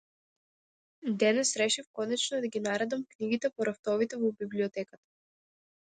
Денес решив конечно да ги наредам книгите по рафтовите во библиотеката.